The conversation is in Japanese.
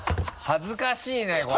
恥ずかしいねこれ。